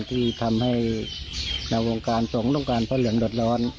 ที่ทำให้วงการส่งวงการพระเหลืองดรดร้อน